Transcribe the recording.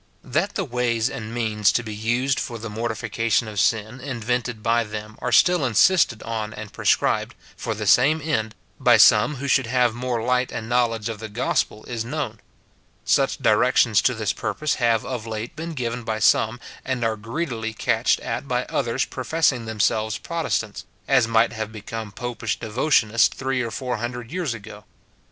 That the ways and means to be used for the mortifica tion of sin invented by them are still insisted on and prescribed, for the same end, by some who should have more light and knowledge of the gospel, is known. Such directions to this purpose have of late been given by some, and are greedily catched at by others professing themselves Protestants, as might have become popish devotionists three or four hundred years ago.